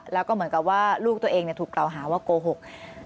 แล้วก็เหมือนกับว่าลูกตัวเองถูกกล่าวหาว่าโกหก